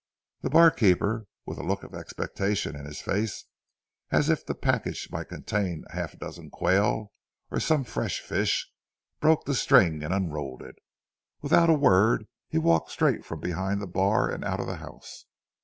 The barkeeper, with a look of expectation in his face as if the package might contain half a dozen quail or some fresh fish, broke the string and unrolled it. Without a word he walked straight from behind the bar and out of the house.